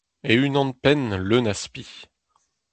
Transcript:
E-unan-penn leun a spi.